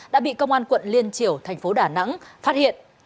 đã bị công an quận liên triều thành phố đà nẵng phát hiện